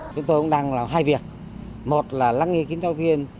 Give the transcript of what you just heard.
chúng tôi cũng đang làm hai việc một là lắng nghe kính giáo viên